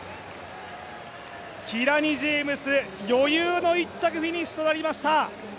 キラニ・ジェームス、余裕の１着フィニッシュとなりました。